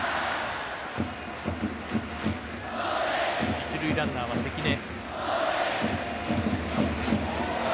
一塁ランナーは関根。